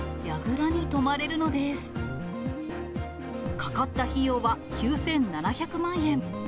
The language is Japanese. かかった費用は９７００万円。